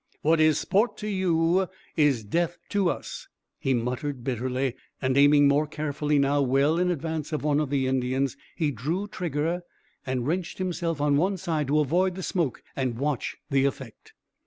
"What is sport to you is death to us!" he muttered bitterly, and aiming more carefully now, well in advance of one of the Indians, he drew trigger and wrenched himself on one side to avoid the smoke and watch the effect.